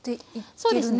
そうですね。